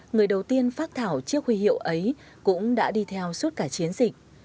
người đầu tiên phát thảo chiếc huy hiệu ấy cũng đã đi theo suốt cả chiến dịch